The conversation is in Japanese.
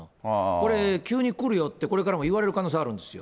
これ、急に来るよって、これからも言われる可能性あるんですよ。